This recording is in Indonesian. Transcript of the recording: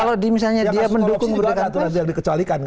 kalau misalnya dia mendukung kemerdekaan persen